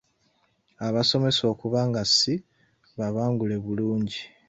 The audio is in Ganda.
Abasomesa okuba nga si babangule bulungi.